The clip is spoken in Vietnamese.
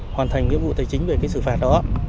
hoàn thành nhiệm vụ tài chính về cái sử phạt đó